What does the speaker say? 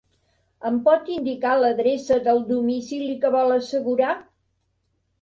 Em pot indicar l'adreça del domicili que vol assegurar?